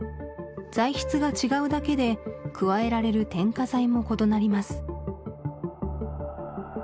材質が違うだけで加えられる添加剤も異なります